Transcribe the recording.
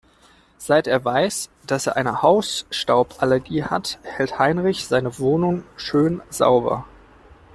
Seit er weiß, dass er eine Hausstauballergie hat, hält Heinrich seine Wohnung schön sauber.